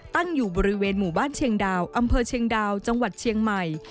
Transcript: ตั้งอยู่บริเวณหมู่บ้านเชียงดาวอำเภอเชียงดาวจังหวัดเชียงใหม่